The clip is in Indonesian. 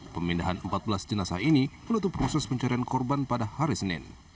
pemindahan empat belas jenazah ini menutup proses pencarian korban pada hari senin